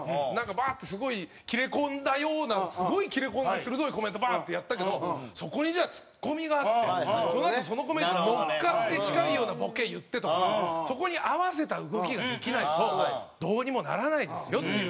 バーッて、すごい切れ込んだようなすごい切れ込んで、鋭いコメントバーンってやったけどそこに、じゃあツッコミがあってそのあとそのコメントに乗っかって近いようなボケ言ってとかそこに合わせた動きができないとどうにもならないですよっていう。